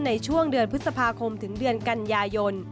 ในช่วงเดือนพฤษภาคมถึงเดือนกันยายน